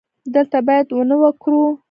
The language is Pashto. دلته باید ونه وکرو